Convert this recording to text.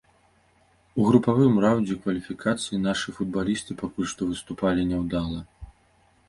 У групавым раундзе кваліфікацыі нашы футбалісты пакуль што выступалі няўдала.